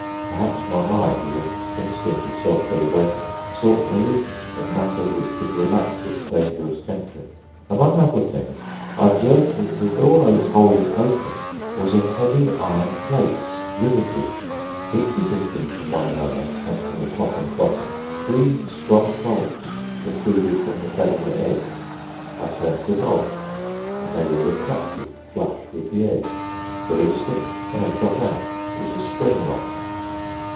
Perhaps my mind, with an instinct of self preservation, sought relief in matters which would relax its dangerous tension. Among other things, I observed that the door that I was holding open was of heavy iron plates, riveted. Equidistant from one another and from the top and bottom, three strong bolts protruded from the beveled edge. I turned the knob and they were retracted flush with the edge; released it, and they shot out. It was a spring lock.